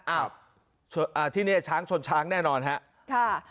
อ่าที่นี่ชั้นชั้นแน่นอนฮะ